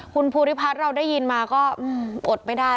คุณภูริพัฒน์เราได้ยินมาก็อดไม่ได้